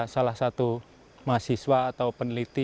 salah satu mahasiswa atau peneliti